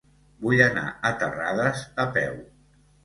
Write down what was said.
Vull anar a Terrades a peu.